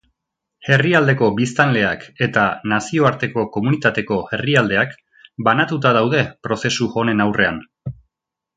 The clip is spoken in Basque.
Herrialdeko biztanleak eta nazioarteko komunitateko herrialdeak banatuta daude prozesu honen aurrean.